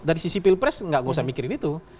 dari sisi spill press enggak usah mikirin itu